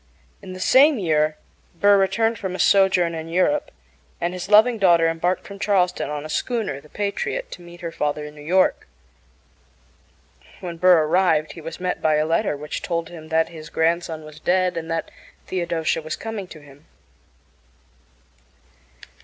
In the same year Burr returned from a sojourn in Europe, and his loving daughter embarked from Charleston on a schooner, the Patriot, to meet her father in New York. When Burr arrived he was met by a letter which told him that his grandson was dead and that Theodosia was coming to him.